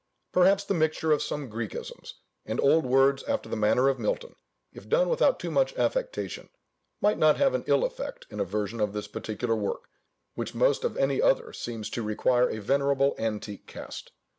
Perhaps the mixture of some Græcisms and old words after the manner of Milton, if done without too much affectation, might not have an ill effect in a version of this particular work, which most of any other seems to require a venerable, antique cast.